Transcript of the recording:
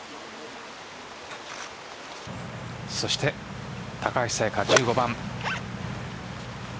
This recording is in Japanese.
そして高橋彩華１５番。